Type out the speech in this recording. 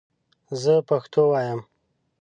زه پښتو وایم